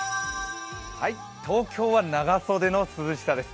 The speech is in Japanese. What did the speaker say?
東京は長袖の涼しさです。